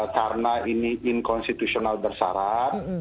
karena ini inkonstitusional bersarat